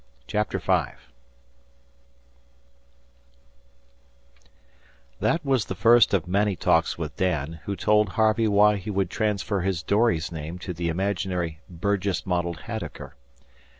CHAPTER V That was the first of many talks with Dan, who told Harvey why he would transfer his dory's name to the imaginary Burgess modelled haddocker.